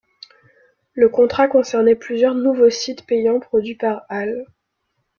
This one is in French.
Le contrat concernait plusieurs nouveaux sites payants produits par Hall.